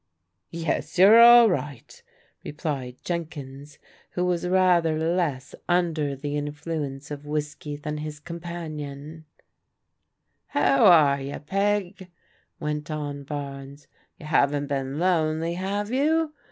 "Yes, you're all right/' replied Jenkins, who was rather less under the influence of whiskey thatv 1[vv& coxcl panioa 194 PBODIGAL DAUGHTERS "How are you, Peg?" went on Barnes. "You haven't been lonely, have you?